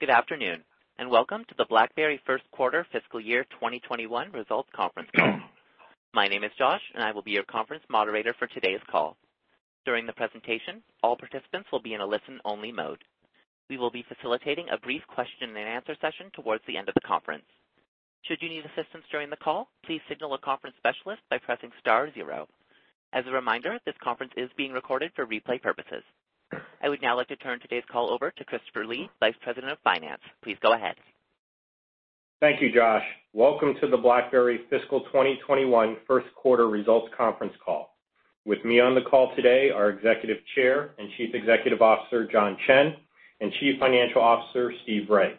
Good afternoon, and welcome to the BlackBerry first quarter fiscal 2021 results conference call. My name is Josh, and I will be your conference moderator for today's call. During the presentation, all participants will be in a listen-only mode. We will be facilitating a brief question and answer session towards the end of the conference. Should you need assistance during the call, please signal a conference specialist by pressing star zero. As a reminder, this conference is being recorded for replay purposes. I would now like to turn today's call over to Christopher Lee, Vice President of Finance. Please go ahead. Thank you, Josh. Welcome to the BlackBerry Fiscal 2021 first quarter results conference call. With me on the call today, our Executive Chair and Chief Executive Officer, John Chen, and Chief Financial Officer, Steve Rai.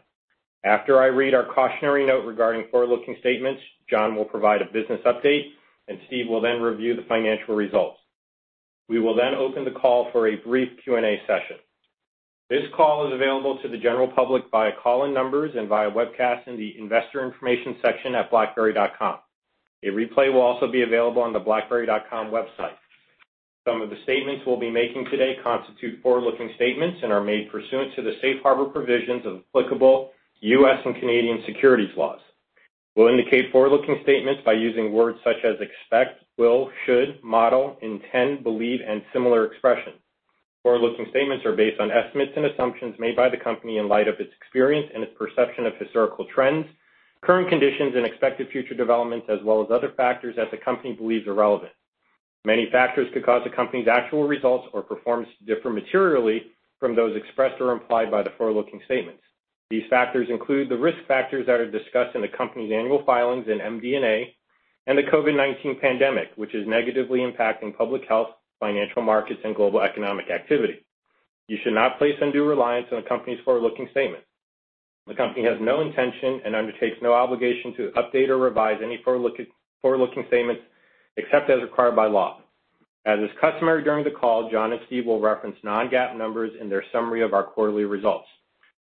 After I read our cautionary note regarding forward-looking statements, John will provide a business update. Steve will then review the financial results. We will then open the call for a brief Q&A session. This call is available to the general public via call-in numbers and via webcast in the investor information section at blackberry.com. A replay will also be available on the blackberry.com website. Some of the statements we'll be making today constitute forward-looking statements and are made pursuant to the safe harbor provisions of applicable U.S. and Canadian securities laws. We'll indicate forward-looking statements by using words such as expect, will, should, model, intend, believe, and similar expressions. Forward-looking statements are based on estimates and assumptions made by the company in light of its experience and its perception of historical trends, current conditions and expected future developments, as well as other factors that the company believes are relevant. Many factors could cause the company's actual results or performance to differ materially from those expressed or implied by the forward-looking statements. These factors include the risk factors that are discussed in the company's annual filings in MD&A and the COVID-19 pandemic, which is negatively impacting public health, financial markets, and global economic activity. You should not place undue reliance on the company's forward-looking statements. The company has no intention and undertakes no obligation to update or revise any forward-looking statements except as required by law. As is customary during the call, John and Steve will reference non-GAAP numbers in their summary of our quarterly results.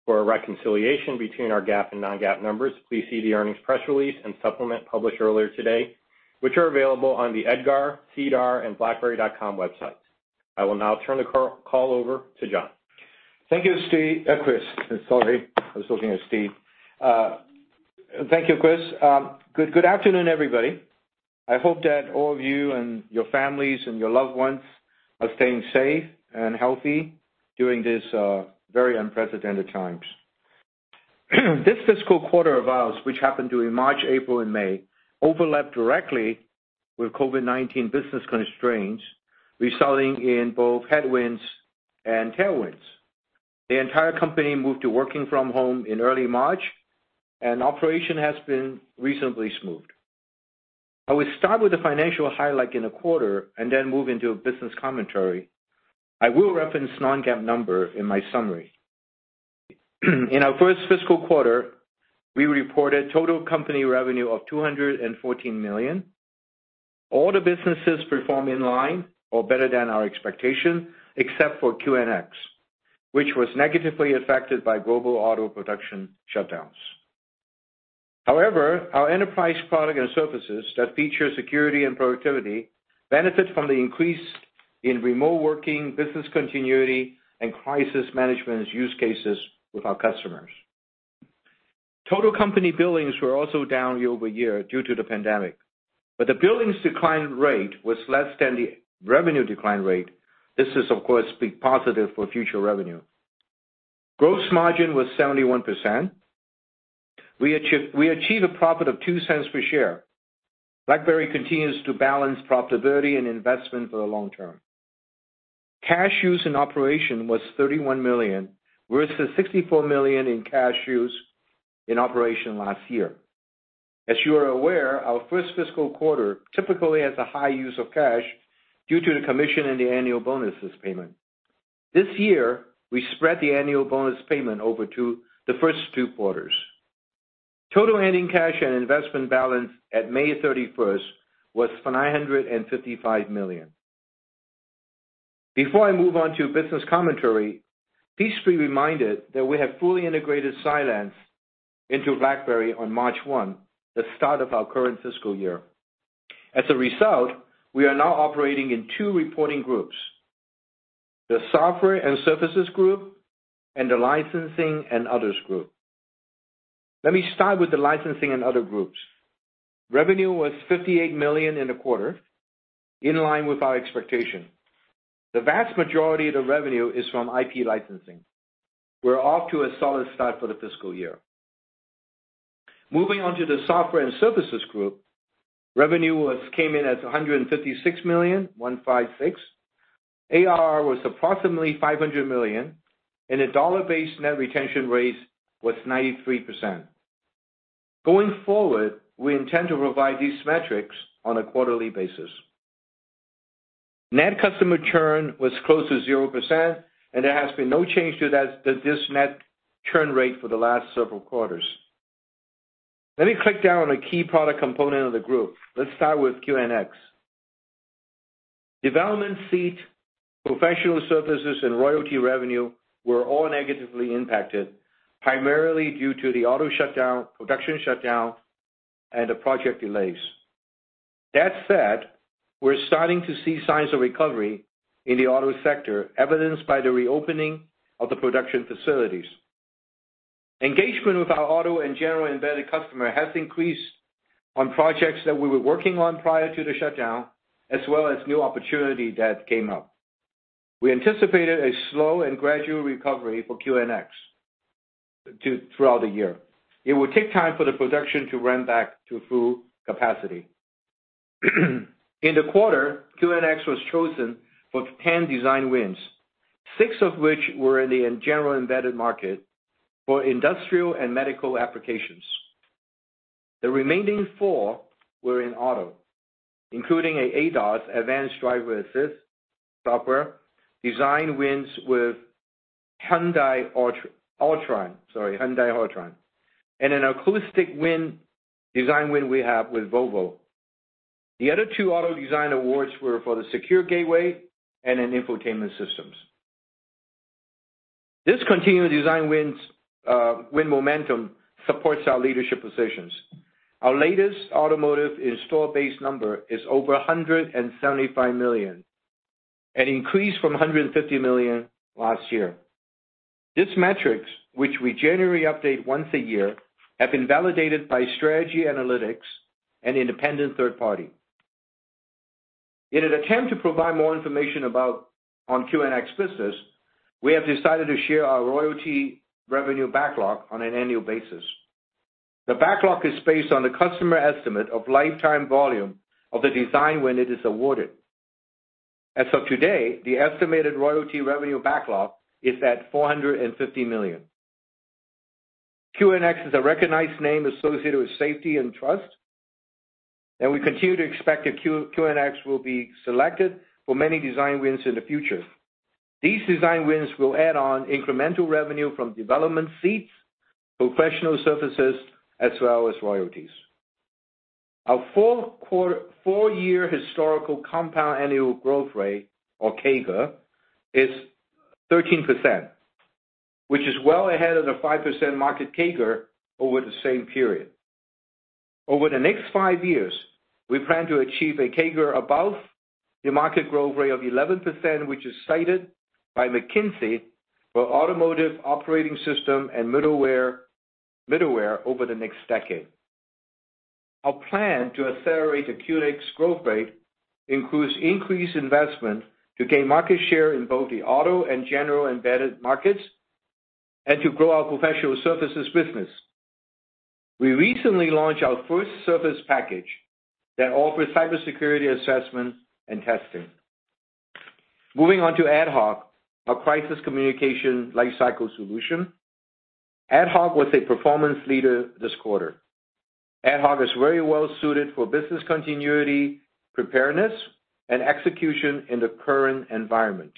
For a reconciliation between our GAAP and non-GAAP numbers, please see the earnings press release and supplement published earlier today, which are available on the EDGAR, SEDAR, and blackberry.com websites. I will now turn the call over to John. Thank you, Steve. Chris. Sorry, I was looking at Steve. Thank you, Chris. Good afternoon, everybody. I hope that all of you and your families and your loved ones are staying safe and healthy during this very unprecedented times. This fiscal quarter of ours, which happened during March, April, and May, overlapped directly with COVID-19 business constraints, resulting in both headwinds and tailwinds. The entire company moved to working from home in early March, and operation has been reasonably smooth. I will start with the financial highlight in the quarter and then move into a business commentary. I will reference non-GAAP number in my summary. In our first fiscal quarter, we reported total company revenue of $214 million. All the businesses perform in line or better than our expectation, except for QNX, which was negatively affected by global auto production shutdowns. However, our enterprise product and services that feature security and productivity benefit from the increase in remote working, business continuity, and crisis management use cases with our customers. Total company billings were also down year-over-year due to the pandemic, but the billings decline rate was less than the revenue decline rate. This is, of course, positive for future revenue. Gross margin was 71%. We achieved a profit of $0.02 per share. BlackBerry continues to balance profitability and investment for the long term. Cash use in operation was $31 million, versus $64 million in cash use in operation last year. As you are aware, our first fiscal quarter typically has a high use of cash due to the commission and the annual bonuses payment. This year, we spread the annual bonus payment over to the first two quarters. Total ending cash and investment balance at May 31st was $955 million. Before I move on to business commentary, please be reminded that we have fully integrated Cylance into BlackBerry on March 1, the start of our current fiscal year. As a result, we are now operating in two reporting groups, the Software and Services Group and the Licensing and Others Group. Let me start with the Licensing and Others Group. Revenue was $58 million in the quarter, in line with our expectation. The vast majority of the revenue is from IP licensing. We are off to a solid start for the fiscal year. Moving on to the Software and Services Group, revenue came in at $156 million. ARR was approximately $500 million, and the dollar-based net retention rate was 93%. Going forward, we intend to provide these metrics on a quarterly basis. Net customer churn was close to 0%. There has been no change to this net churn rate for the last several quarters. Let me click down on a key product component of the group. Let's start with QNX. Development seat, professional services, and royalty revenue were all negatively impacted, primarily due to the auto shutdown, production shutdown, and the project delays. That said, we're starting to see signs of recovery in the auto sector, evidenced by the reopening of the production facilities. Engagement with our auto and general embedded customer has increased on projects that we were working on prior to the shutdown, as well as new opportunity that came up. We anticipated a slow and gradual recovery for QNX throughout the year. It will take time for the production to ramp back to full capacity. In the quarter, QNX was chosen for 10 design wins, 6 of which were in the general embedded market for industrial and medical applications. The remaining 4 were in auto, including a ADAS, advanced driver assist software, design wins with Hyundai Autron, and an acoustic design win we have with Volvo. The other 2 auto design awards were for the secure gateway and in infotainment systems. This continued design win momentum supports our leadership positions. Our latest automotive installed base number is over $175 million, an increase from $150 million last year. These metrics, which we generally update once a year, have been validated by Strategy Analytics and independent third party. In an attempt to provide more information on QNX business, we have decided to share our royalty revenue backlog on an annual basis. The backlog is based on the customer estimate of lifetime volume of the design when it is awarded. As of today, the estimated royalty revenue backlog is at $450 million. QNX is a recognized name associated with safety and trust, and we continue to expect that QNX will be selected for many design wins in the future. These design wins will add on incremental revenue from development seats, professional services, as well as royalties. Our four-year historical compound annual growth rate, or CAGR, is 13%, which is well ahead of the 5% market CAGR over the same period. Over the next five years, we plan to achieve a CAGR above the market growth rate of 11%, which is cited by McKinsey for automotive operating system and middleware over the next decade. Our plan to accelerate the QNX growth rate includes increased investment to gain market share in both the auto and general embedded markets and to grow our professional services business. We recently launched our first service package that offers cybersecurity assessment and testing. Moving on to AtHoc, our crisis communication lifecycle solution. AtHoc was a performance leader this quarter. AtHoc is very well suited for business continuity, preparedness, and execution in the current environment.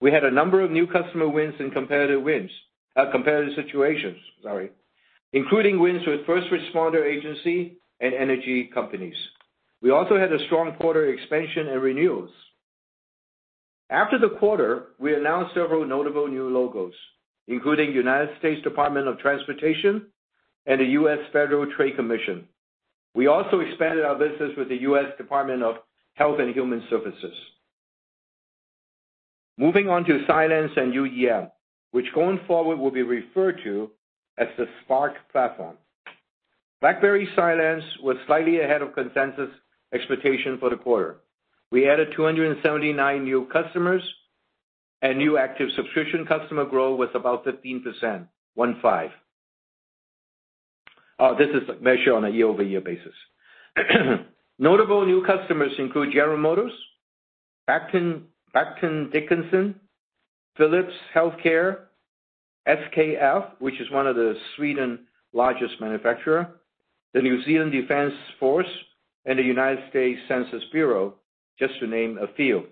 We had a number of new customer wins and competitive situations, including wins with first responder agency and energy companies. We also had a strong quarter expansion and renewals. After the quarter, we announced several notable new logos, including U.S. Department of Transportation and the U.S. Federal Trade Commission. We also expanded our business with the U.S. Department of Health and Human Services. Moving on to Cylance and UEM, which going forward, will be referred to as the Spark Platform. BlackBerry Cylance was slightly ahead of consensus expectation for the quarter. We added 279 new customers and new active subscription customer growth was about 15%, one five. This is measured on a year-over-year basis. Notable new customers include General Motors, Becton Dickinson, Philips Healthcare, SKF, which is one of the Sweden largest manufacturer, the New Zealand Defence Force, and the United States Census Bureau, just to name a few.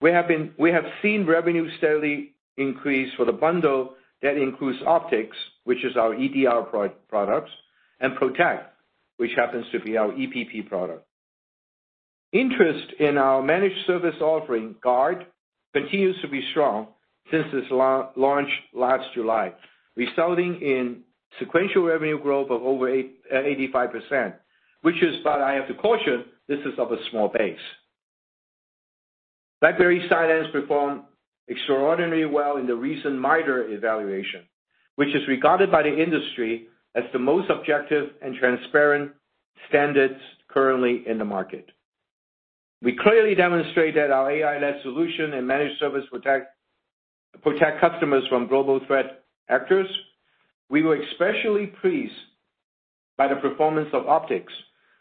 We have seen revenue steadily increase for the bundle that includes Optics, which is our EDR products, and Protect, which happens to be our EPP product. Interest in our managed service offering, Guard, continues to be strong since its launch last July, resulting in sequential revenue growth of over 85%, but I have to caution, this is of a small base. BlackBerry Cylance performed extraordinarily well in the recent MITRE evaluation, which is regarded by the industry as the most objective and transparent standards currently in the market. We clearly demonstrate that our AI-led solution and managed service protect customers from global threat actors. We were especially pleased by the performance of Optics,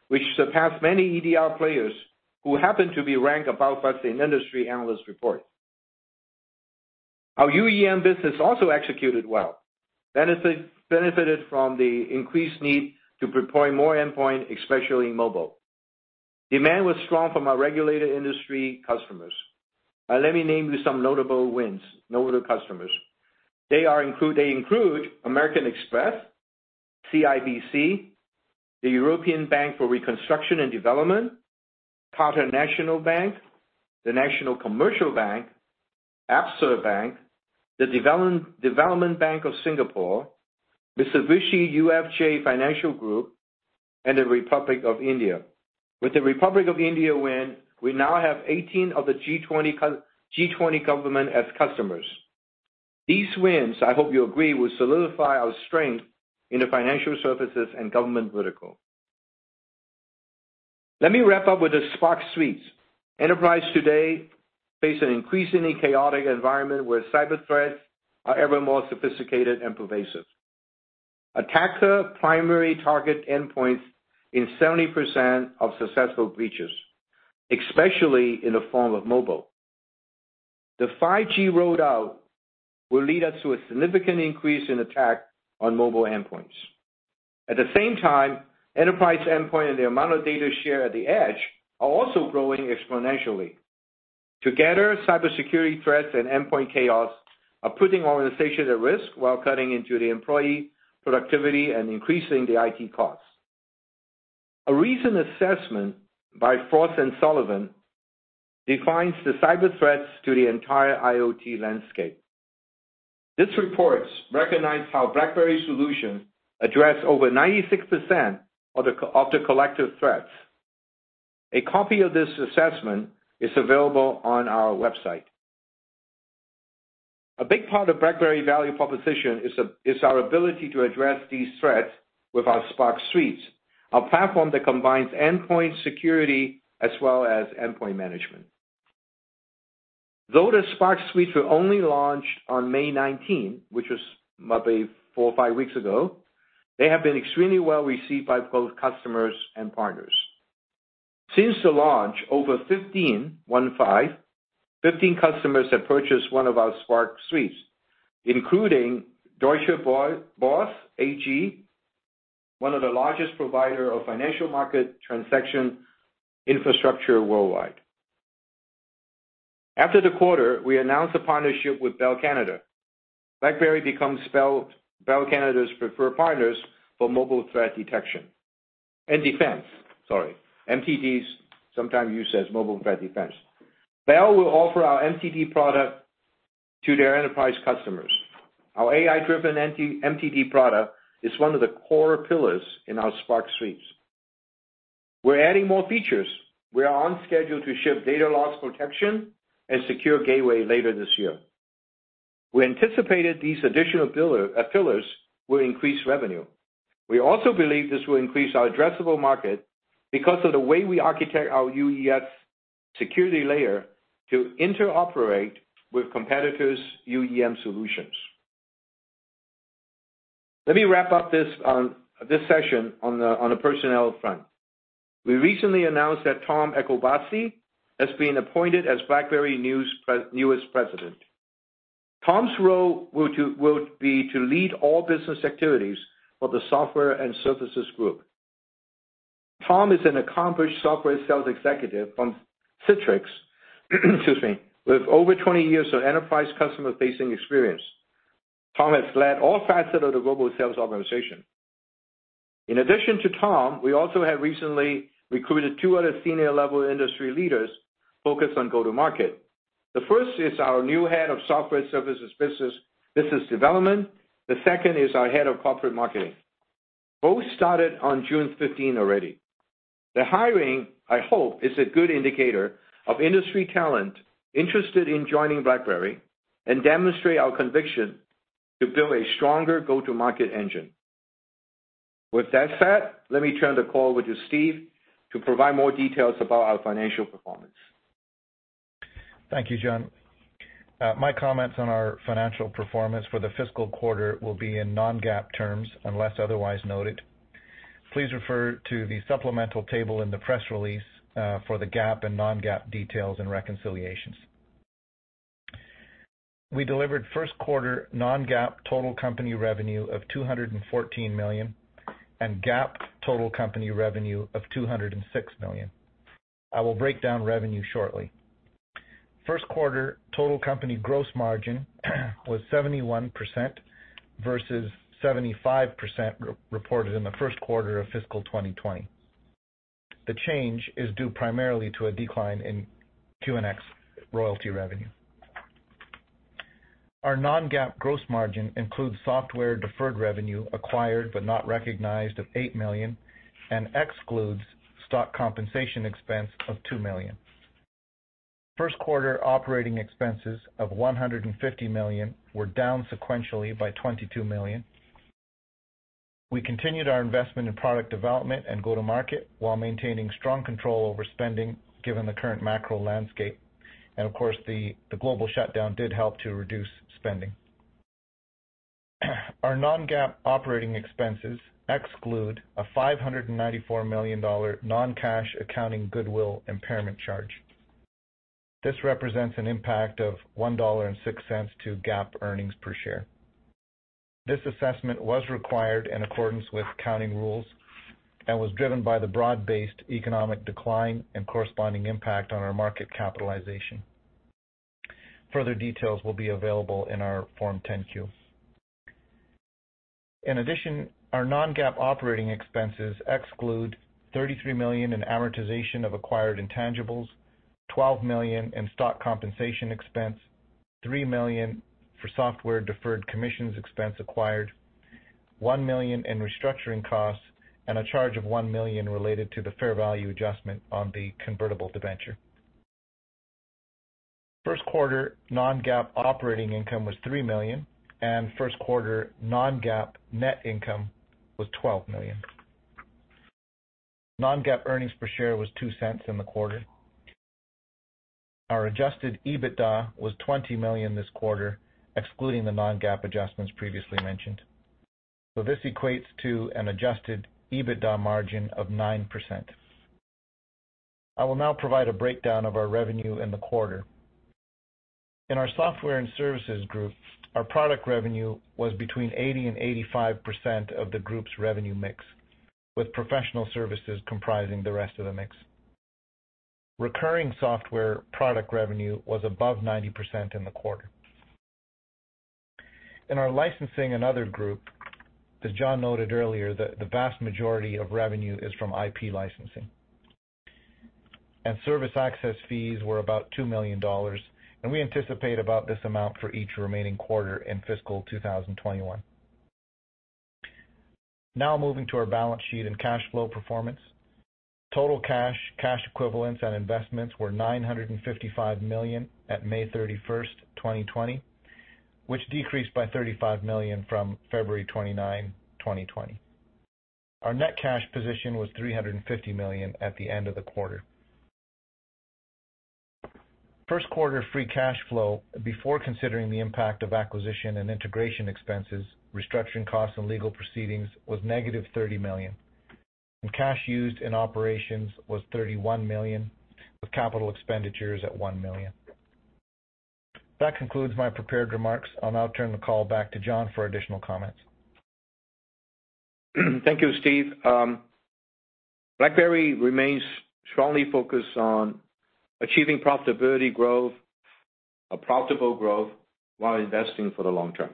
which surpassed many EDR players who happen to be ranked above us in industry analyst report. Our UEM business also executed well, benefited from the increased need to deploy more endpoint, especially mobile. Demand was strong from our regulated industry customers. Let me name you some notable wins, notable customers. They include American Express, CIBC, the European Bank for Reconstruction and Development, Qatar National Bank, the National Commercial Bank, Absa Bank, the Development Bank of Singapore, Mitsubishi UFJ Financial Group, and the Republic of India. With the Republic of India win, we now have 18 of the G20 government as customers. These wins, I hope you agree, will solidify our strength in the financial services and government vertical. Let me wrap up with the Spark Suites. Enterprise today face an increasingly chaotic environment where cyber threats are ever more sophisticated and pervasive. Attacker primary target endpoints in 70% of successful breaches, especially in the form of mobile. The 5G rollout will lead us to a significant increase in attack on mobile endpoints. At the same time, enterprise endpoint and the amount of data shared at the edge are also growing exponentially. Together, cybersecurity threats and endpoint chaos are putting organizations at risk while cutting into the employee productivity and increasing the IT costs. A recent assessment by Frost & Sullivan defines the cyber threats to the entire IoT landscape. This report recognizes how BlackBerry solutions address over 96% of the collective threats. A copy of this assessment is available on our website. A big part of BlackBerry value proposition is our ability to address these threats with our Spark Suites, a platform that combines endpoint security as well as endpoint management. Though the Spark Suites were only launched on May 19, which was maybe four or five weeks ago, they have been extremely well received by both customers and partners. Since the launch, over 15 customers have purchased one of our Spark Suites, including Deutsche Börse AG, one of the largest provider of financial market transaction infrastructure worldwide. After the quarter, we announced a partnership with Bell Canada. BlackBerry becomes Bell Canada's preferred partners for mobile threat detection and defense. Sorry, MTDs, sometimes used as mobile threat defense. Bell will offer our MTD product to their enterprise customers. Our AI-driven MTD product is one of the core pillars in our Spark Suites. We're adding more features. We are on schedule to ship data loss protection and secure gateway later this year. We anticipated these additional pillars will increase revenue. We also believe this will increase our addressable market because of the way we architect our UES security layer to interoperate with competitors' UEM solutions. Let me wrap up this session on the personnel front. We recently announced that Tom Eacobacci has been appointed as BlackBerry's newest President. Tom's role will be to lead all business activities for the Software and Services Group. Tom is an accomplished software sales executive from Citrix, excuse me, with over 20 years of enterprise customer-facing experience. Tom has led all facets of the global sales organization. In addition to Tom, we also have recently recruited two other senior-level industry leaders focused on go-to-market. The first is our new head of software and services business development. The second is our head of corporate marketing. Both started on June 15 already. The hiring, I hope, is a good indicator of industry talent interested in joining BlackBerry and demonstrate our conviction to build a stronger go-to-market engine. With that said, let me turn the call over to Steve to provide more details about our financial performance. Thank you, John. My comments on our financial performance for the fiscal quarter will be in non-GAAP terms, unless otherwise noted. Please refer to the supplemental table in the press release for the GAAP and non-GAAP details and reconciliations. We delivered first quarter non-GAAP total company revenue of $214 million and GAAP total company revenue of $206 million. I will break down revenue shortly. First quarter total company gross margin was 71% versus 75% reported in the first quarter of fiscal 2020. The change is due primarily to a decline in QNX royalty revenue. Our non-GAAP gross margin includes software deferred revenue acquired but not recognized of $8 million and excludes stock compensation expense of $2 million. First quarter operating expenses of $150 million were down sequentially by $22 million. We continued our investment in product development and go-to-market while maintaining strong control over spending, given the current macro landscape. Of course, the global shutdown did help to reduce spending. Our non-GAAP operating expenses exclude a $594 million non-cash accounting goodwill impairment charge. This represents an impact of $1.06 to GAAP earnings per share. This assessment was required in accordance with accounting rules and was driven by the broad-based economic decline and corresponding impact on our market capitalization. Further details will be available in our Form 10-Q. In addition, our non-GAAP operating expenses exclude $33 million in amortization of acquired intangibles, $12 million in stock compensation expense, $3 million for software deferred commissions expense acquired, $1 million in restructuring costs, and a charge of $1 million related to the fair value adjustment on the convertible debenture. First quarter non-GAAP operating income was $3 million, and first quarter non-GAAP net income was $12 million. Non-GAAP earnings per share was $0.02 in the quarter. Our adjusted EBITDA was $20 million this quarter, excluding the non-GAAP adjustments previously mentioned. This equates to an adjusted EBITDA margin of 9%. I will now provide a breakdown of our revenue in the quarter. In our software and services group, our product revenue was between 80%-85% of the group's revenue mix, with professional services comprising the rest of the mix. Recurring software product revenue was above 90% in the quarter. In our licensing and other group, as John noted earlier, the vast majority of revenue is from IP licensing. Service access fees were about $2 million, and we anticipate about this amount for each remaining quarter in fiscal 2021. Moving to our balance sheet and cash flow performance. Total cash equivalents and investments were $955 million at May 31st, 2020, which decreased by $35 million from February 29, 2020. Our net cash position was $350 million at the end of the quarter. First quarter free cash flow, before considering the impact of acquisition and integration expenses, restructuring costs, and legal proceedings, was negative $30 million, and cash used in operations was $31 million, with capital expenditures at $1 million. That concludes my prepared remarks. I'll now turn the call back to John for additional comments. Thank you, Steve. BlackBerry remains strongly focused on achieving profitability growth, a profitable growth while investing for the long term.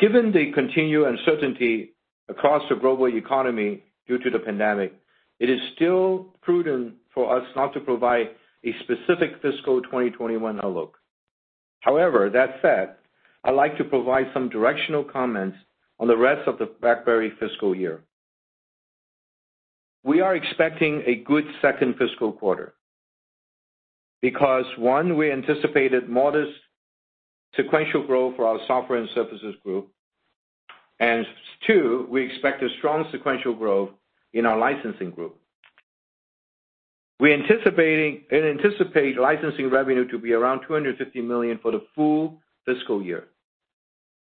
Given the continued uncertainty across the global economy due to the pandemic, it is still prudent for us not to provide a specific fiscal 2021 outlook. That said, I'd like to provide some directional comments on the rest of the BlackBerry fiscal year. We are expecting a good second fiscal quarter because, one, we anticipated modest sequential growth for our software and services group. Two, we expect a strong sequential growth in our licensing group. We anticipate licensing revenue to be around $250 million for the full- fiscal year.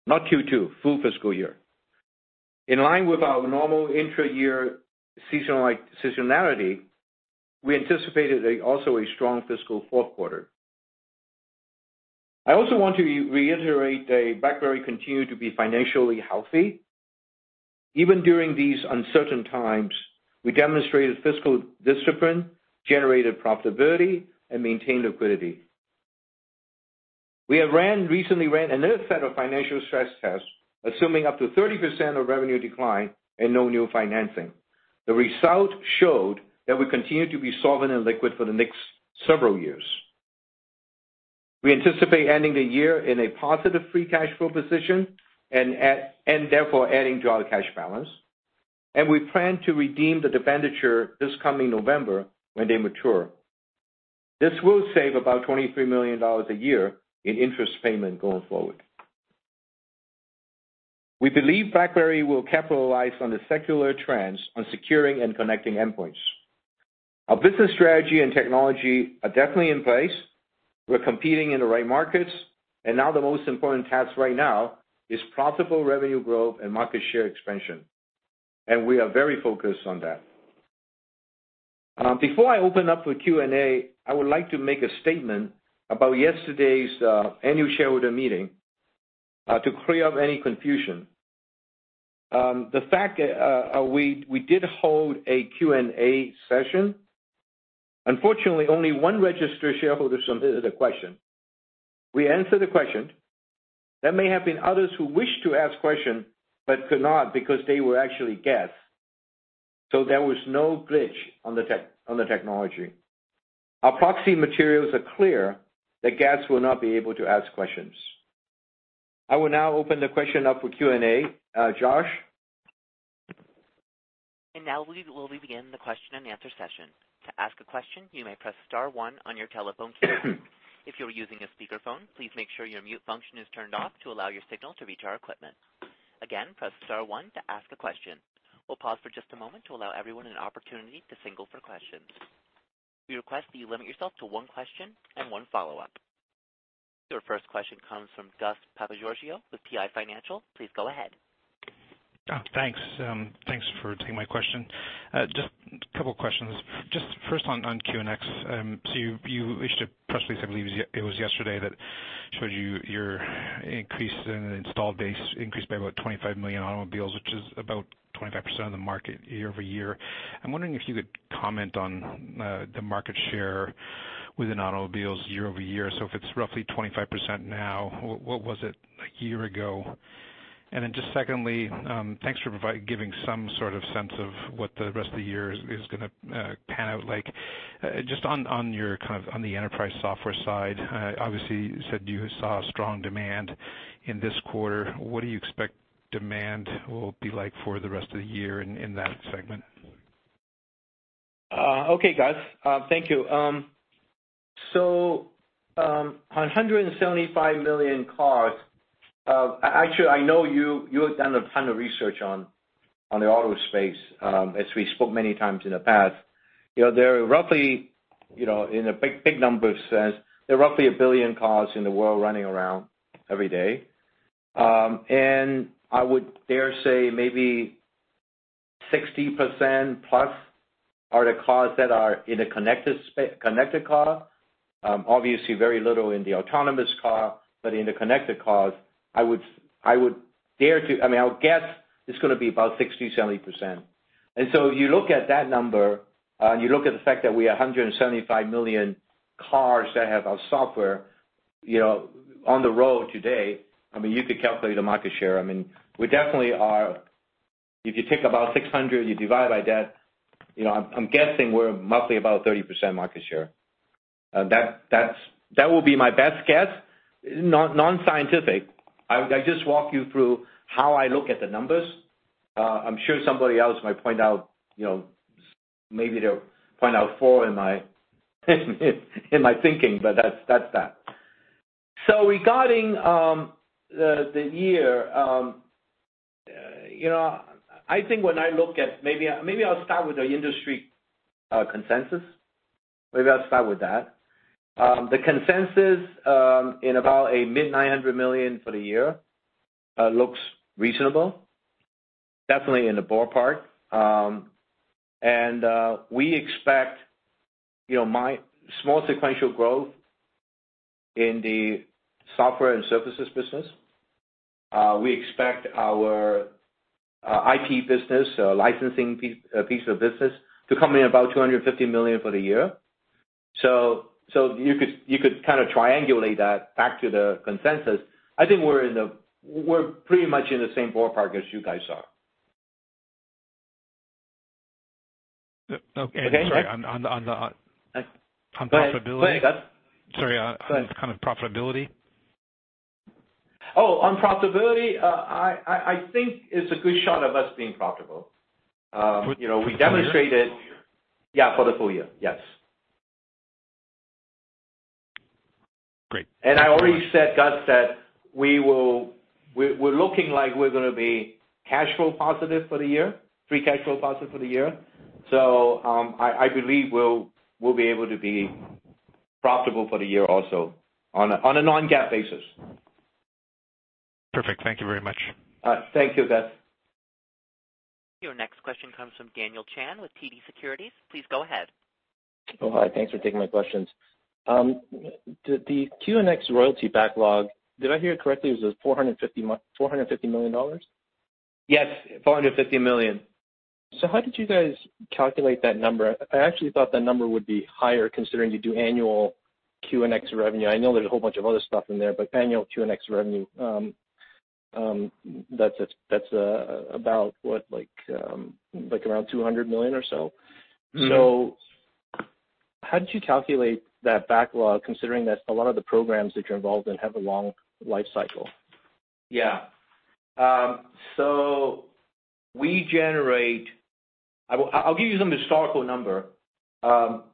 Not Q2, full- fiscal year. In line with our normal intra-year seasonality, we anticipated also a strong fiscal fourth quarter. I also want to reiterate that BlackBerry continued to be financially healthy. Even during these uncertain times, we demonstrated fiscal discipline, generated profitability, and maintained liquidity. We have recently ran another set of financial stress tests assuming up to 30% of revenue decline and no new financing. The result showed that we continue to be solvent and liquid for the next several years. We anticipate ending the year in a positive free cash flow position and therefore adding to our cash balance. We plan to redeem the debenture this coming November when they mature. This will save about $23 million a year in interest payment going forward. We believe BlackBerry will capitalize on the secular trends on securing and connecting endpoints. Our business strategy and technology are definitely in place. We're competing in the right markets, and now the most important task right now is profitable revenue growth and market share expansion. We are very focused on that. Before I open up for Q&A, I would like to make a statement about yesterday's annual shareholder meeting to clear up any confusion. We did hold a Q&A session. Unfortunately, only one registered shareholder submitted a question. We answered the question. There may have been others who wished to ask questions but could not because they were actually guests. There was no glitch on the technology. Our proxy materials are clear that guests will not be able to ask questions. I will now open the question up for Q&A. Josh? Now we will begin the question and answer session. To ask a question, you may press star one on your telephone keypad. If you are using a speakerphone, please make sure your mute function is turned off to allow your signal to reach our equipment. Again, press star one to ask a question. We'll pause for just a moment to allow everyone an opportunity to signal for questions. We request that you limit yourself to one question and one follow-up. Your first question comes from Gus Papageorgiou with PI Financial. Please go ahead. Thanks. Thanks for taking my question. Just a couple of questions. Just first on QNX. You issued a press release, I believe it was yesterday, that showed your increase in installed base increased by about 25 million automobiles, which is about 25% of the market year-over-year. I'm wondering if you could comment on the market share within automobiles year-over-year. If it's roughly 25% now, what was it a year ago? Just secondly, thanks for giving some sort of sense of what the rest of the year is going to pan out like. Just on the enterprise software side, obviously you said you saw strong demand in this quarter. What do you expect demand will be like for the rest of the year in that segment? Okay, Gus. Thank you. 175 million cars. Actually, I know you have done a ton of research on the auto space, as we spoke many times in the past. There are roughly, in a big numbers sense, there are roughly 1 billion cars in the world running around every day. I would dare say maybe 60% plus are the cars that are in a connected car. Obviously, very little in the autonomous car, in the connected cars, I would guess it's going to be about 60%-70%. If you look at that number, and you look at the fact that we have 175 million cars that have our software on the road today, you could calculate the market share. If you take about 600, you divide by that, I'm guessing we're roughly about 30% market share. That will be my best guess. Non-scientific. I just walk you through how I look at the numbers. I'm sure somebody else might point out, maybe they'll point out a flaw in my thinking, but that's that. Regarding the year, Maybe I'll start with the industry consensus. Maybe I'll start with that. The consensus in about a mid $900 million for the year looks reasonable, definitely in the ballpark. We expect small sequential growth in the software and services business. We expect our IP business, licensing piece of business, to come in about $250 million for the year. You could kind of triangulate that back to the consensus. I think we're pretty much in the same ballpark as you guys are. Okay. Sorry, on profitability. Oh, on profitability, I think it's a good shot of us being profitable. For the full- year? Yeah, for the full- year. Yes. Great. Thank you very much. I already said, Gus, that we're looking like we're going to be cash flow positive for the year, free cash flow positive for the year. I believe we'll be able to be profitable for the year also on a non-GAAP basis. Perfect. Thank you very much. Thank you, Gus. Your next question comes from Daniel Chan with TD Securities. Please go ahead. Oh, hi. Thanks for taking my questions. The QNX royalty backlog, did I hear it correctly, was it $450 million? Yes, $450 million. How did you guys calculate that number? I actually thought that number would be higher, considering you do annual QNX revenue. I know there's a whole bunch of other stuff in there, but annual QNX revenue, that's about what, around $200 million or so. How did you calculate that backlog, considering that a lot of the programs that you're involved in have a long life cycle? Yeah. I'll give you some historical number. Not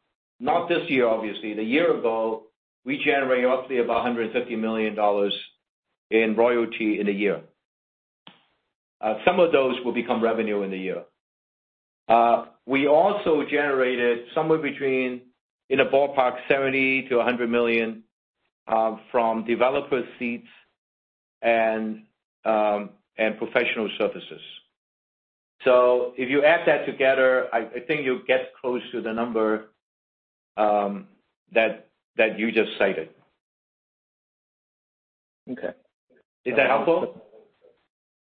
this year, obviously. The year ago, we generated roughly about $150 million in royalty in the year. Some of those will become revenue in the year. We also generated somewhere between, in a ballpark, $70 million-$100 million from developer seats and professional services. If you add that together, I think you'll get close to the number that you just cited. Okay. Is that helpful?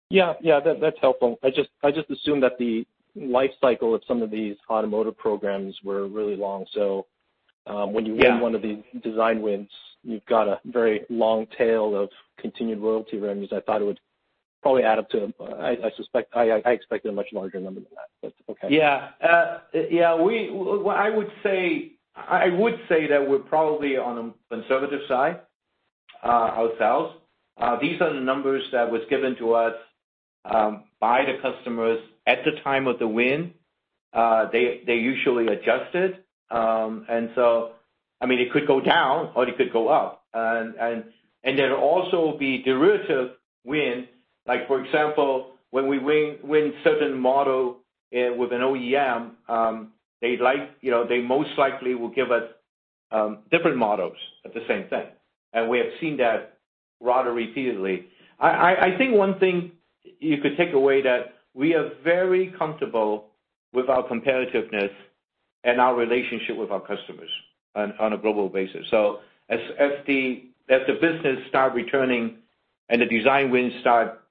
Yeah, that's helpful. I just assumed that the life cycle of some of these automotive programs were really long. Yeah win one of the design wins, you've got a very long tail of continued royalty revenues. I thought it would probably add up to, I expected a much larger number than that, but okay. Yeah. I would say that we're probably on a conservative side ourselves. These are the numbers that was given to us by the customers at the time of the win. They usually adjust it, and so it could go down or it could go up. There'll also be derivative win, like for example, when we win certain model with an OEM, they most likely will give us different models of the same thing. We have seen that rather repeatedly. I think one thing you could take away that we are very comfortable with our competitiveness and our relationship with our customers on a global basis. As the business start returning and the design wins start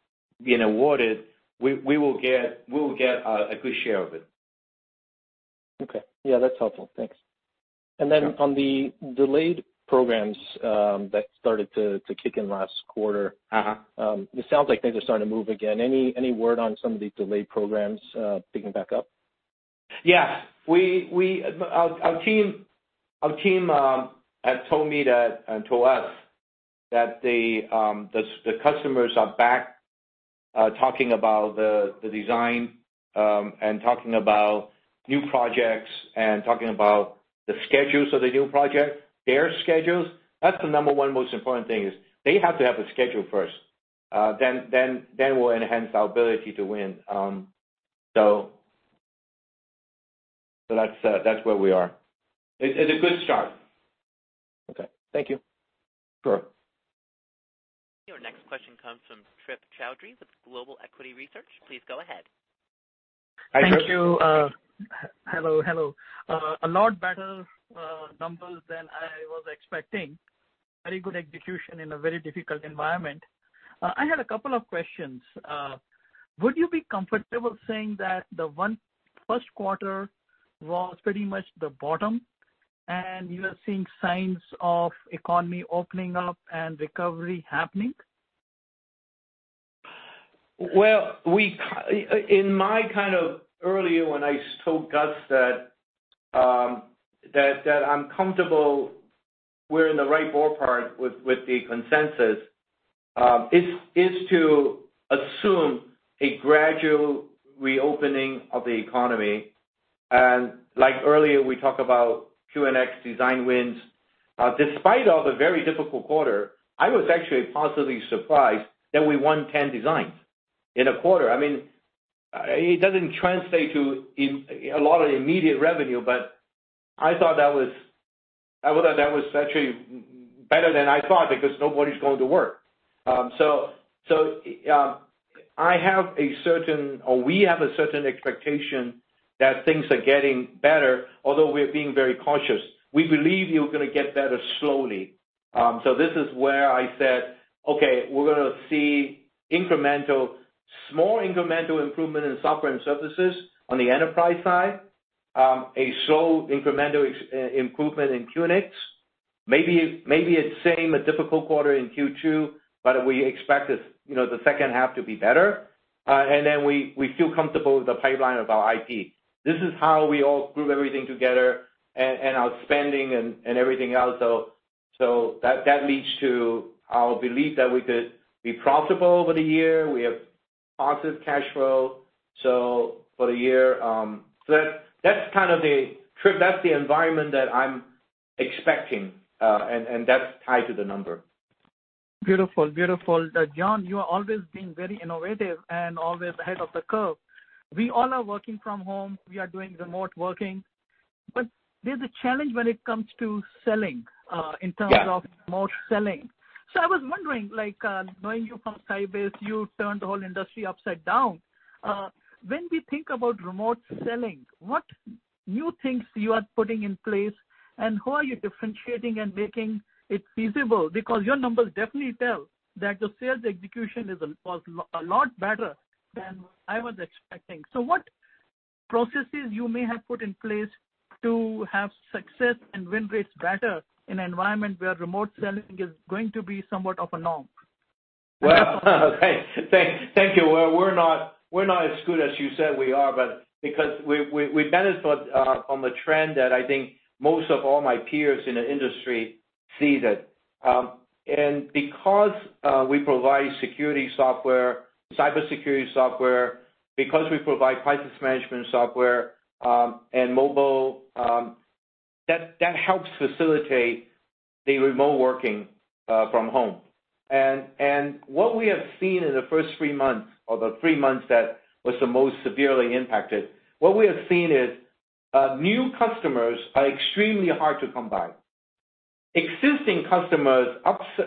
being awarded, we will get a good share of it. Okay. Yeah, that's helpful. Thanks. Sure. On the delayed programs that started to kick in last quarter. it sounds like things are starting to move again. Any word on some of the delayed programs picking back up? Yes. Our team has told me that, and told us, that the customers are back talking about the design, and talking about new projects, and talking about the schedules of the new project, their schedules. That's the number 1 most important thing, is they have to have a schedule first. We'll enhance our ability to win. That's where we are. It's a good start. Okay. Thank you. Sure. Your next question comes from Trip Chowdhry with Global Equities Research. Please go ahead. Hi, Trip. Thank you. Hello. A lot better numbers than I was expecting. Very good execution in a very difficult environment. I had a couple of questions. Would you be comfortable saying that the first quarter was pretty much the bottom, and you are seeing signs of economy opening up and recovery happening? Well, earlier when I told Gus that I'm comfortable we're in the right ballpark with the consensus, is to assume a gradual reopening of the economy. Like earlier, we talk about QNX design wins. Despite all the very difficult quarter, I was actually positively surprised that we won 10 designs in a quarter. It doesn't translate to a lot of immediate revenue, but I thought that was actually better than I thought, because nobody's going to work. We have a certain expectation that things are getting better, although we're being very cautious. We believe you're going to get better slowly. This is where I said, Okay, we're going to see small incremental improvement in software and services on the enterprise side, a slow incremental improvement in QNX. Maybe it's same, a difficult quarter in Q2, but we expect the second half to be better. We feel comfortable with the pipeline of our IP. This is how we all glue everything together, and our spending and everything else. That leads to our belief that we could be profitable over the year. We have positive cash flow for the year. That's the environment that I'm expecting, and that's tied to the number. Beautiful. John, you are always being very innovative and always ahead of the curve. We all are working from home. We are doing remote working. There's a challenge when it comes to selling. Yeah in terms of more selling. I was wondering, knowing you from Sybase, you turned the whole industry upside down. When we think about remote selling, what new things you are putting in place, and how are you differentiating and making it feasible? Because your numbers definitely tell that the sales execution was a lot better than I was expecting. What processes you may have put in place to have success and win rates better in an environment where remote selling is going to be somewhat of a norm? Well, thank you. Well, we're not as good as you said we are, because we benefited from a trend that I think most of all my peers in the industry see that. Because we provide security software, cybersecurity software, because we provide crisis management software, and mobile, that helps facilitate the remote working from home. What we have seen in the first three months, or the three months that was the most severely impacted, what we have seen is new customers are extremely hard to come by. Existing customers,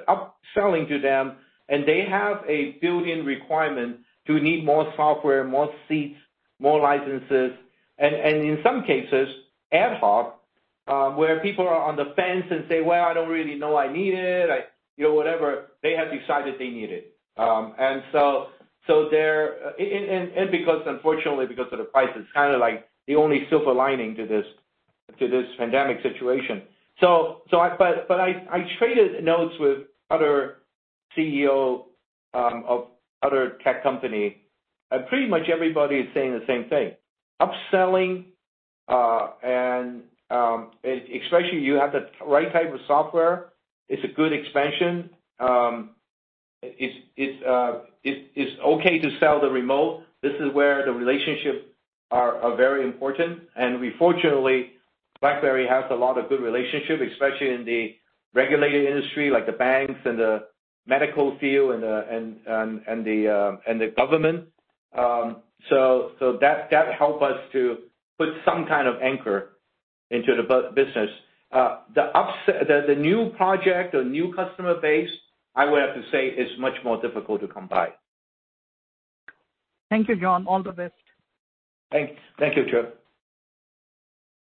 upselling to them, and they have a built-in requirement to need more software, more seats, more licenses. In some cases, AtHoc, where people are on the fence and say, "Well, I don't really know I need it," whatever, they have decided they need it. Because unfortunately, because of the price, it's kind of like the only silver lining to this pandemic situation. I traded notes with other CEO of other tech company, and pretty much everybody is saying the same thing. Upselling, especially you have the right type of software, it's a good expansion. It's okay to sell the remote. This is where the relationship are very important. We fortunately, BlackBerry has a lot of good relationship, especially in the regulated industry like the banks and the medical field, and the government. That help us to put some kind of anchor into the business. The new project or new customer base, I would have to say, is much more difficult to come by. Thank you, John. All the best. Thank you, Trip.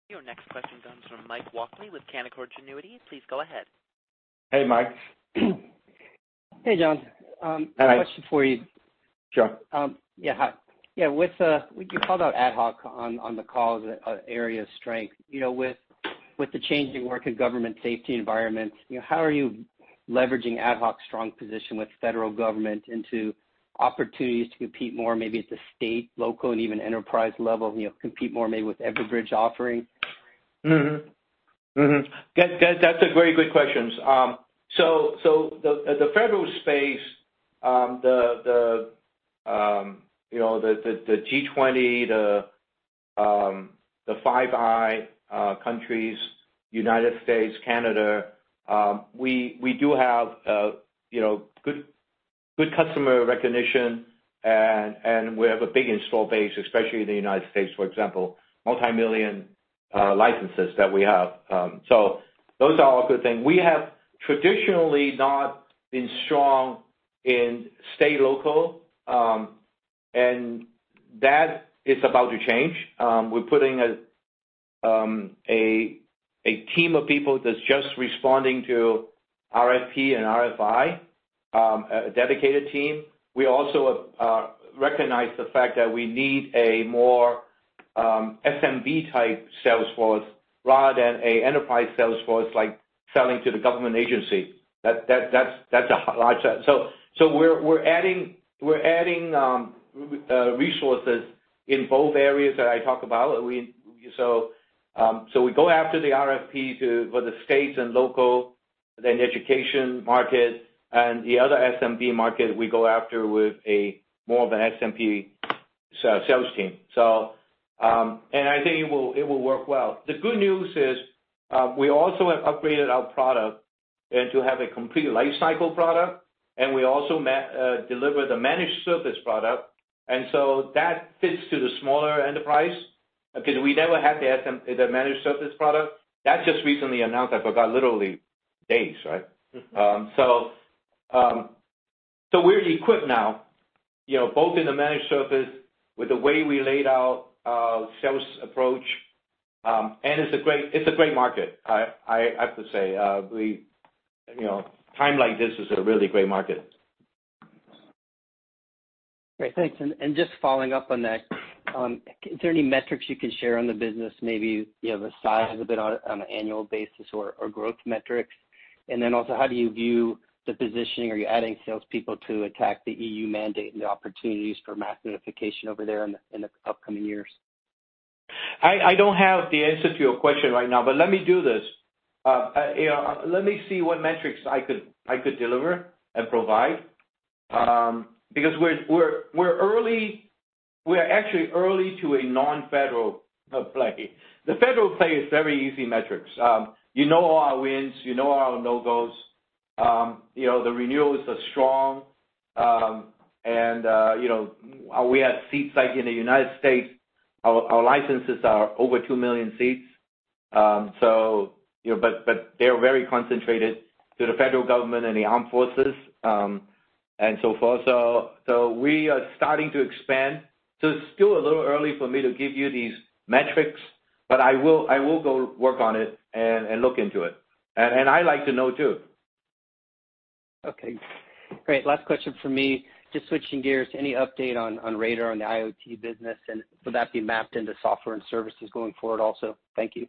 Your next question comes from Mike Walkley with Canaccord Genuity. Please go ahead. Hey, Mike. Hey, John. Hi. I have a question for you. Sure. Yeah, hi. You called out AtHoc on the call as an area of strength. With the changing work in government safety environments, how are you leveraging AtHoc's strong position with federal government into opportunities to compete more, maybe at the state, local, and even enterprise level, compete more maybe with Everbridge offering? That's a very good question. The federal space, the G20, the Five Eyes countries, U.S., Canada, we do have good customer recognition, and we have a big install base, especially in the U.S., for example, multimillion licenses that we have. Those are all good things. We have traditionally not been strong in state local, and that is about to change. We're putting a team of people that's just responding to RFP and RFI, a dedicated team. We also recognize the fact that we need a more SMB-type sales force rather than an enterprise sales force, like selling to the government agency. We're adding resources in both areas that I talk about. We go after the RFP for the states and local, then education market, and the other SMB market we go after with more of an SMB sales team. I think it will work well. The good news is we also have upgraded our product to have a complete life cycle product, and we also deliver the managed service product. That fits to the smaller enterprise because we never had the managed service product. That just recently announced, I forgot, literally days, right? We're equipped now, both in the managed service with the way we laid out our sales approach, and it's a great market, I have to say. At a time like this, it's a really great market. Great. Thanks. Just following up on that, is there any metrics you can share on the business, maybe the size of it on an annual basis or growth metrics? Also, how do you view the positioning? Are you adding salespeople to attack the EU mandate and the opportunities for mass unification over there in the upcoming years? I don't have the answer to your question right now. Let me do this. Let me see what metrics I could deliver and provide, because we're actually early to a non-federal play. The federal play is very easy metrics. You know all our wins, you know all our no-goes. The renewals are strong. We have seats, like in the United States, our licenses are over 2 million seats. They're very concentrated to the federal government and the armed forces, and so forth. We are starting to expand. It's still a little early for me to give you these metrics. I will go work on it and look into it. I'd like to know, too. Okay, great. Last question from me, just switching gears. Any update on Radar, on the IoT business, and would that be mapped into software and services going forward also? Thank you.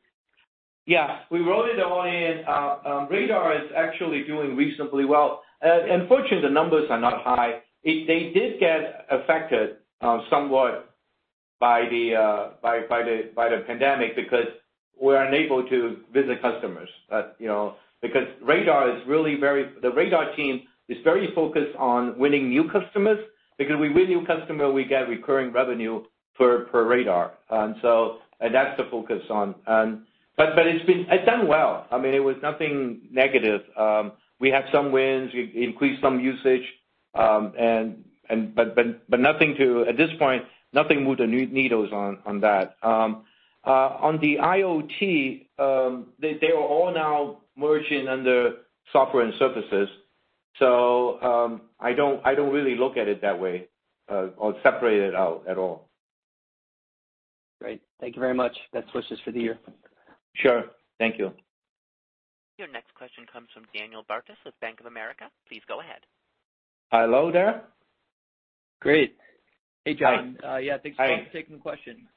Yeah. We rolled it all in. Radar is actually doing reasonably well. Unfortunately, the numbers are not high. They did get affected somewhat by the pandemic because we're unable to visit customers. The Radar team is very focused on winning new customers, because we win new customer, we get recurring revenue per Radar. That's the focus on. It's done well. It was nothing negative. We had some wins. We increased some usage. At this point, nothing moved the needles on that. On the IoT, they are all now merging under software and services, so I don't really look at it that way or separate it out at all. Great. Thank you very much. That's wishes for the year. Sure. Thank you. Your next question comes from Daniel Bartus with Bank of America. Please go ahead. Hello there. Great. Hey, John. Hi. Yeah, thanks for taking the question.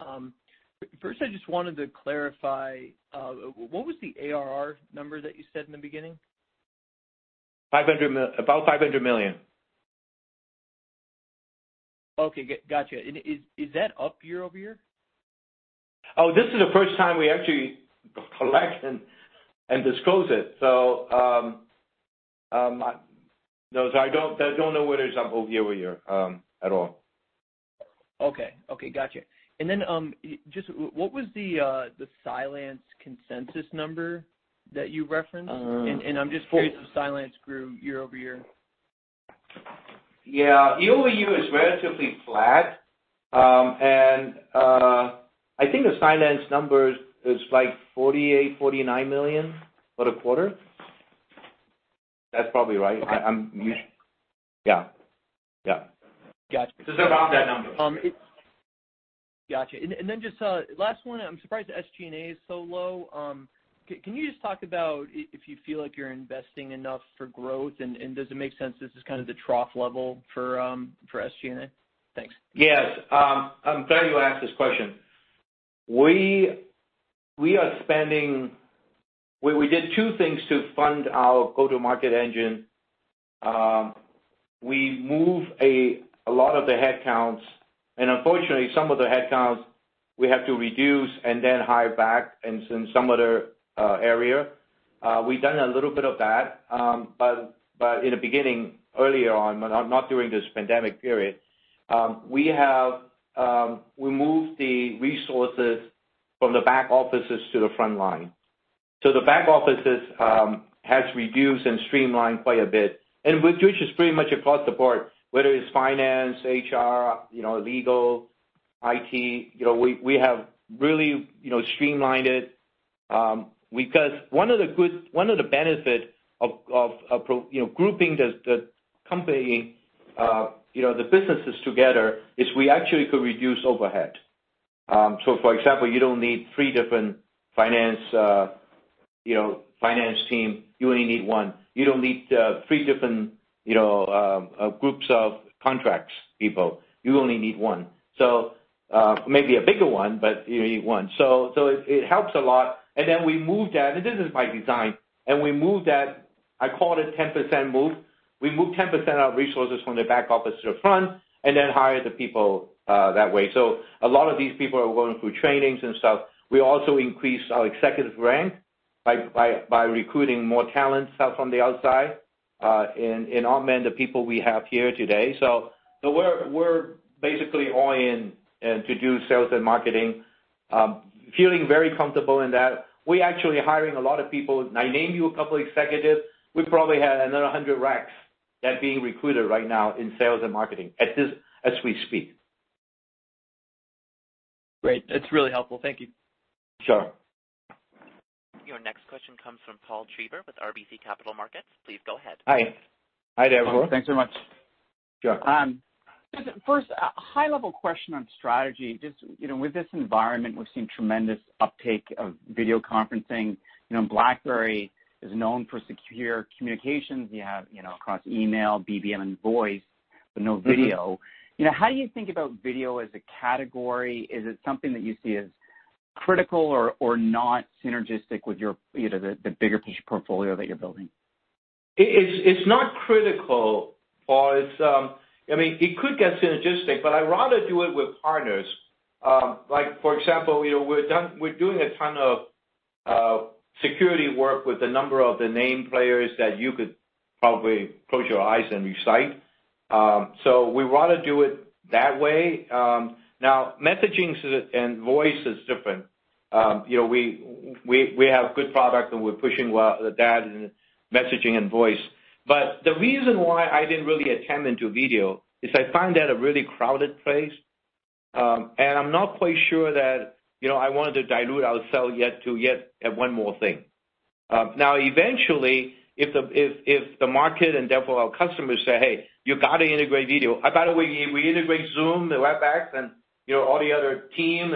First I just wanted to clarify, what was the ARR number that you said in the beginning? About $500 million. Okay, got you. Is that up year-over-year? Oh, this is the first time we actually collect and disclose it, so I don't know whether it's up year-over-year at all. Okay. Got you. Then, just what was the Cylance consensus number that you referenced? I'm just curious if Cylance grew year-over-year? Yeah. Year-over-year is relatively flat. I think the Cylance number is like $48 million, $49 million for the quarter. That's probably right. Yeah. Got you. It's about that number. Got you. Just last one, I am surprised the SG&A is so low. Can you just talk about if you feel like you are investing enough for growth and does it make sense this is kind of the trough level for SG&A? Thanks. Yes. I'm glad you asked this question. We did two things to fund our go-to-market engine. We moved a lot of the headcounts, and unfortunately, some of the headcounts we have to reduce and then hire back in some other area. We've done a little bit of that. In the beginning, earlier on, not during this pandemic period, we moved the resources from the back offices to the front line. The back offices has reduced and streamlined quite a bit, and which is pretty much across the board, whether it's finance, HR, legal, IT. We have really streamlined it. One of the benefit of grouping the businesses together is we actually could reduce overhead. For example, you don't need three different finance team. You only need one. You don't need three different groups of contracts people. You only need one. Maybe a bigger one, but you only need one. It helps a lot. We moved that, and this is by design, we moved that, I call it 10% move. We moved 10% of resources from the back office to the front and then hired the people that way. A lot of these people are going through trainings and stuff. We also increased our executive rank by recruiting more talent from the outside, and augment the people we have here today. We're basically all in to do sales and marketing. Feeling very comfortable in that. We actually hiring a lot of people. I name you a couple executives, we probably have another 100 racks that are being recruited right now in sales and marketing as we speak. Great. That's really helpful. Thank you. Sure. Your next question comes from Paul Treiber with RBC Capital Markets. Please go ahead. Hi. Hi there, Paul. Thanks very much. Sure. First, a high-level question on strategy. With this environment, we've seen tremendous uptake of video conferencing. BlackBerry is known for secure communications. You have, across email, BBM, and voice, but no video. How do you think about video as a category? Is it something that you see as critical or not synergistic with the bigger portfolio that you're building? It's not critical, Paul. It could get synergistic, but I'd rather do it with partners. Like for example, we're doing a ton of security work with a number of the name players that you could probably close your eyes and recite. We rather do it that way. Now, messaging and voice is different. We have good product and we're pushing that in messaging and voice. The reason why I didn't really attend into video is I find that a really crowded place. I'm not quite sure that I wanted to dilute ourself yet to yet one more thing. Now, eventually, if the market and therefore our customers say, "Hey, you got to integrate video." By the way, we integrate Zoom, Webex, and all the other team.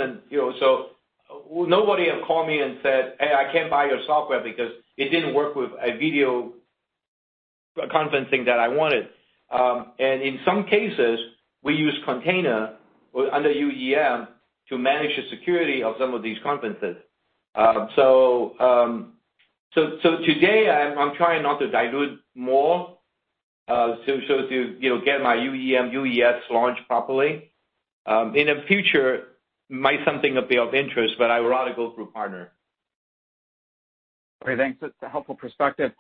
Nobody have called me and said, "Hey, I can't buy your software because it didn't work with a video conferencing that I wanted." In some cases, we use container under UEM to manage the security of some of these conferences. Today, I'm trying not to dilute more, so to get my UEM/UES launched properly. In the future, might something that be of interest, but I would rather go through partner. Okay, thanks. That's a helpful perspective.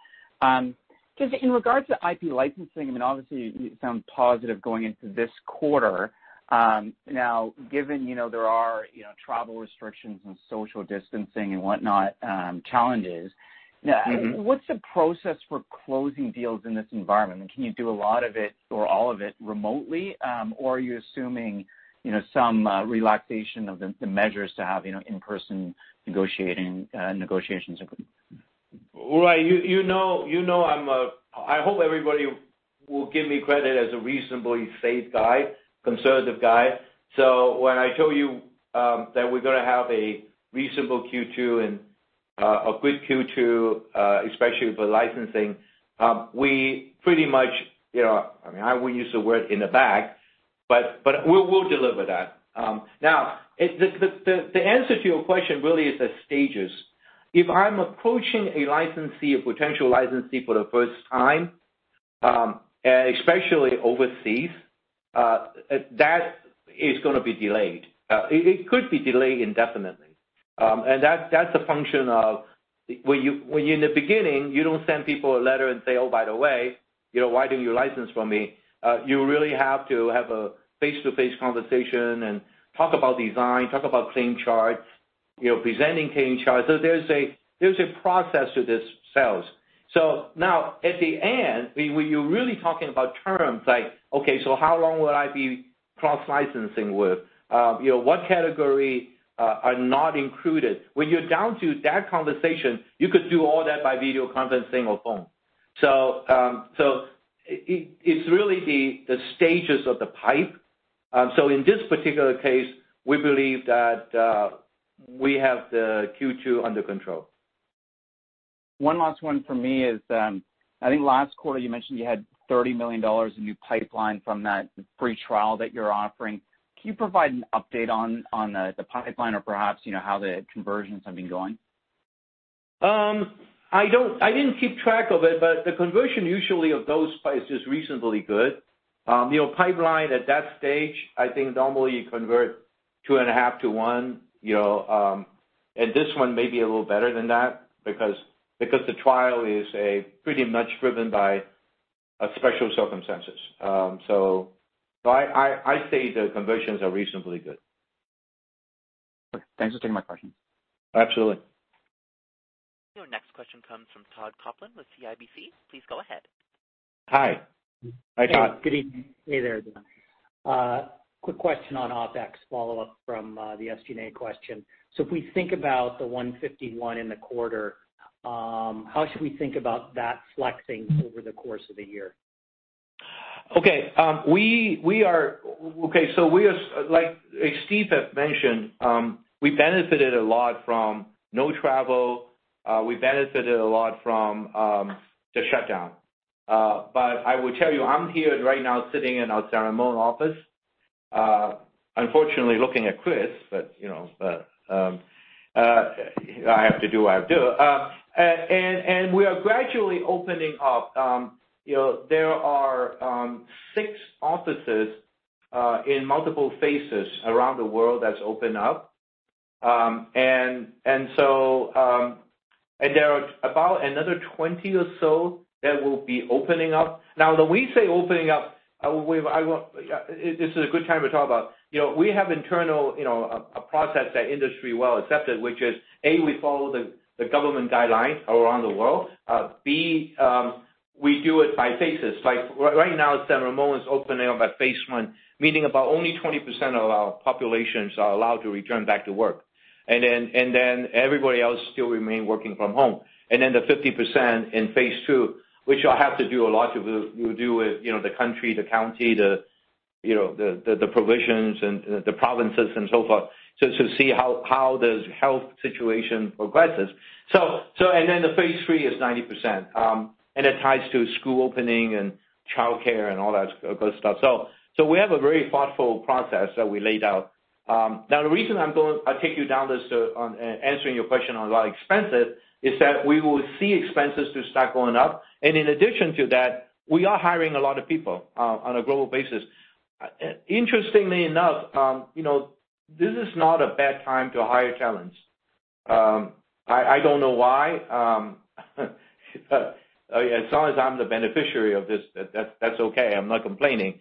Just in regards to IP licensing, obviously you sound positive going into this quarter. Given there are travel restrictions and social distancing and whatnot challenges. What's the process for closing deals in this environment? Can you do a lot of it or all of it remotely? Are you assuming some relaxation of the measures to have in-person negotiations? Right. I hope everybody will give me credit as a reasonably safe guy, conservative guy. When I tell you that we're going to have a reasonable Q2 and a good Q2, especially with the licensing, we pretty much, I mean, I won't use the word in the bag, but we'll deliver that. The answer to your question really is at stages. If I'm approaching a potential licensee for the 1st time, and especially overseas, that is going to be delayed. It could be delayed indefinitely. That's a function of when you're in the beginning, you don't send people a letter and say, "Oh, by the way, why don't you license from me?" You really have to have a face-to-face conversation and talk about design, talk about claim charts, presenting claim charts. There's a process to this sales. Now at the end, when you're really talking about terms like, "Okay, how long Cross-licensing with? What category are not included?" When you're down to that conversation, you could do all that by video conference thing or phone. It's really the stages of the pipe. In this particular case, we believe that we have the Q2 under control. One last one from me is, I think last quarter you mentioned you had $30 million in new pipeline from that free trial that you're offering. Can you provide an update on the pipeline or perhaps, how the conversions have been going? I didn't keep track of it, but the conversion usually of those pipes is reasonably good. Pipeline at that stage, I think normally you convert 2.5 to 1. This one may be a little better than that because the trial is pretty much driven by special circumstances. I say the conversions are reasonably good. Okay. Thanks for taking my question. Absolutely. Your next question comes from Todd Coupland with CIBC. Please go ahead. Hi. Hi, Todd. Hey there, John. Quick question on OPEX, follow-up from the SG&A question. If we think about the $151 in the quarter, how should we think about that flexing over the course of the year? Okay, like Steve had mentioned, we benefited a lot from no travel. We benefited a lot from the shutdown. I will tell you, I'm here right now sitting in our San Ramon office, unfortunately looking at Chris, I have to do what I have to do. We are gradually opening up. There are six offices in multiple s around the world that's opened up. There are about another 20 or so that will be opening up. Now, when we say opening up, this is a good time to talk about. We have internal process that industry well accepted, which is, A, we follow the government guidelines around the world. B, we do it by phases. Like right now, San Ramon is opening up at phase I. Meaning about only 20% of our populations are allowed to return back to work. Everybody else still remain working from home. The 50% in phase two, which will do with the country, the county, the provisions and the provinces and so forth, to see how the health situation progresses. The phase three is 90%, and it ties to school opening and childcare and all that good stuff. We have a very thoughtful process that we laid out. Now, the reason I take you down this on answering your question on a lot of expenses, is that we will see expenses to start going up. In addition to that, we are hiring a lot of people on a global basis. Interestingly enough, this is not a bad time to hire talents. I don't know why. As long as I'm the beneficiary of this, that's okay. I'm not complaining.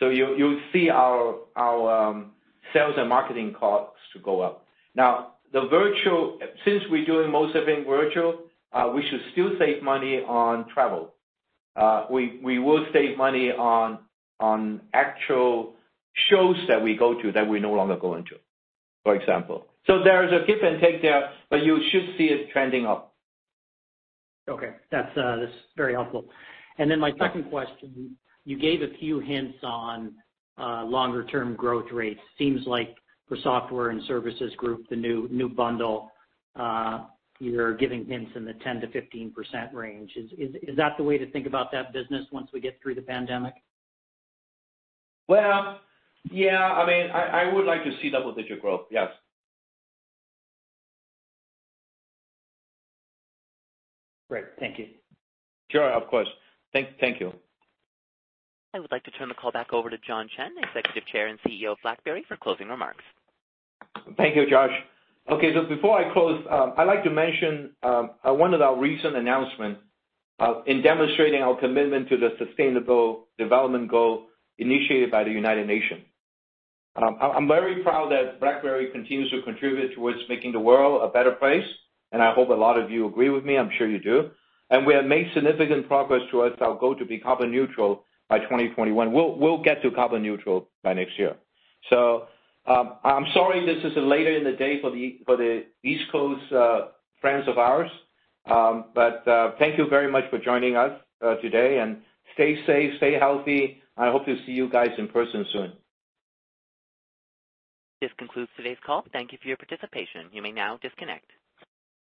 You'll see our sales and marketing costs to go up. Now, since we're doing most of it virtual, we should still save money on travel. We will save money on actual shows that we go to that we no longer go into, for example. There is a give and take there, but you should see it trending up. Okay. That's very helpful. My second question, you gave a few hints on longer-term growth rates. Seems like for Software and Services group, the new bundle, you're giving hints in the 10%-15% range. Is that the way to think about that business once we get through the pandemic? Yeah. I would like to see double-digit growth, yes. Great. Thank you. Sure, of course. Thank you. I would like to turn the call back over to John Chen, Executive Chair and CEO of BlackBerry, for closing remarks. Thank you, Josh. Before I close, I'd like to mention one of our recent announcement in demonstrating our commitment to the Sustainable Development Goal initiated by the United Nations. I'm very proud that BlackBerry continues to contribute towards making the world a better place. I hope a lot of you agree with me. I'm sure you do. We have made significant progress towards our goal to be carbon neutral by 2021. We'll get to carbon neutral by next year. I'm sorry this is later in the day for the East Coast friends of ours. Thank you very much for joining us today. Stay safe, stay healthy. I hope to see you guys in person soon. This concludes today's call. Thank you for your participation. You may now disconnect.